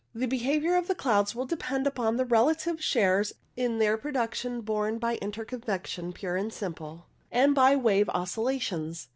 The behaviour of the clouds will depend upon the relative shares in their production borne by interconvection pure and simple and by the wave oscillations.